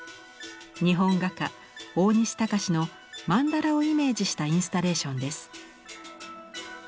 日本画家大西高志の曼荼羅をイメージしたインスタレーションです。